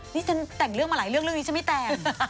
นี่ฉันแต่งเรื่องมาหลายเรื่องเรื่องนี้ฉันไม่แต่ง